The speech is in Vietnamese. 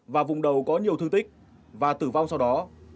và vùng đầu có nhiều thương tích và tử vong sau đó